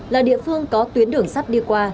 là địa phương có tuyến đường sắt đi qua